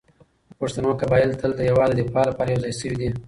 د پښتنو قبایل تل د هېواد د دفاع لپاره يو ځای شوي دي.